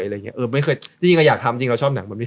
จริงแอตคือน่าอยากทำจริงชอบหนักของมันเอง